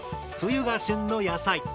冬が旬の野菜。